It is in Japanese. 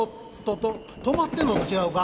「止まってんのと違うか」。